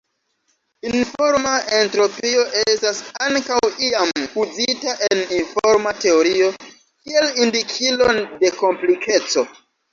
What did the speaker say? Informa entropio estas ankaŭ iam uzita en informa teorio kiel indikilo de komplikeco.